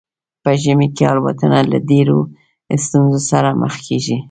په ژمي کې الوتنه له ډیرو ستونزو سره مخ کیږي